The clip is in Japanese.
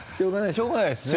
しょうがないですね。